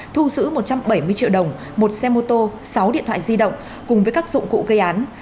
thu giữ một trăm bảy mươi triệu đồng một xe mô tô sáu điện thoại di động cùng với các dụng cụ gây án